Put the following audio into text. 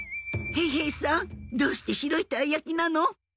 「へいへいさんどうしてしろいたいやきなの？」。